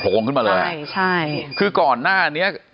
โปรดโดดขึ้นมาเลยเหรอคือก่อนหน้านี้